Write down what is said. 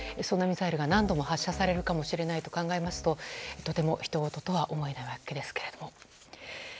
そんなミサイルが何度も発射されるかもしれないと考えるととても、ひとごととは思えないわけですけど。